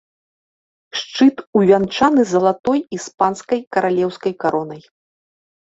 Шчыт увянчаны залаты іспанскай каралеўскай каронай.